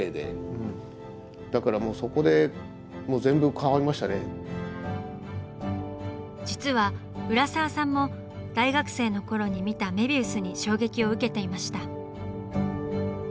完全になぜか実は浦沢さんも大学生の頃に見たメビウスに衝撃を受けていました。